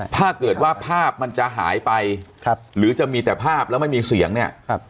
ถ้าเกิดว่าภาพมันจะหายไปครับหรือจะมีแต่ภาพแล้วไม่มีเสียงเนี้ยครับ